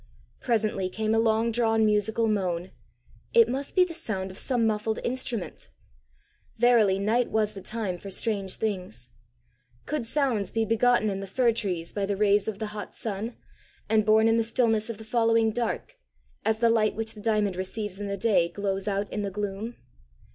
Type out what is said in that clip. Presently came a long drawn musical moan: it must be the sound of some muffled instrument! Verily night was the time for strange things! Could sounds be begotten in the fir trees by the rays of the hot sun, and born in the stillness of the following dark, as the light which the diamond receives in the day glows out in the gloom?